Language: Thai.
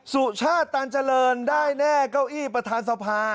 สุชาติตันเจริญได้แน่เก้าอี้ประธานสภา